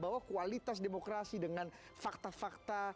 bahwa kualitas demokrasi dengan fakta fakta